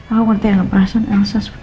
aku ngerti dengan perasaan elsa